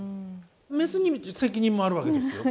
メスに責任もあるわけですよ。